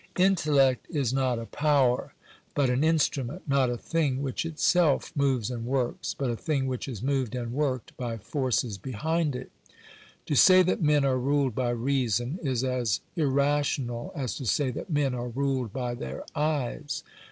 Intellect is not a power, but an instrument — not a thing which itself moves and works, hut a thing which is moved and worked by forces behind it To say that men are ruled by reason, is as irrational as to say that men are ruled by their eyes.